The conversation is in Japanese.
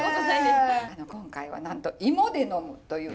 今回はなんと芋で呑むという。